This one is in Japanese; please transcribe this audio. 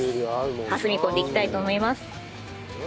挟み込んでいきたいと思います。